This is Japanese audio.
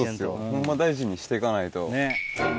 ホンマ大事にして行かないと。